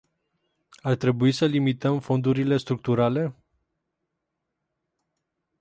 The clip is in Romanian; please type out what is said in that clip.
Ar trebui să limităm fondurile structurale?